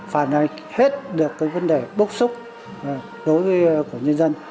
phản hành hết được cái vấn đề bốc xúc đối với của nhân dân